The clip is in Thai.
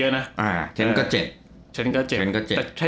เอ๊ะท่านคงติด